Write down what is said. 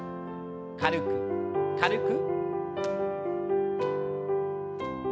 軽く軽く。